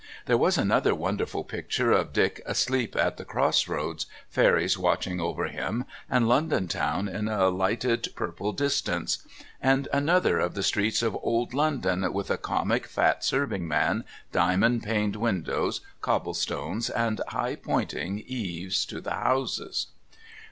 There was another wonderful picture of Dick asleep at the Cross Roads, fairies watching over him, and London Town in a lighted purple distance and another of the streets of Old London with a comic fat serving man, diamond paned windows, cobblestones and high pointing eaves to the houses.